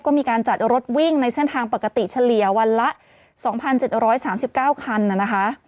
ก็มีการจัดรถวิ่งในเส้นทางปกติเฉลี่ยวันละ๒๗๓๙คันนะคะ